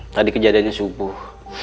tadi kejadiannya subuh